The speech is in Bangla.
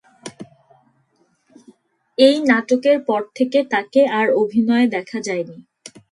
এই নাটকের পর থেকে তাকে আর অভিনয়ে দেখা যায়নি।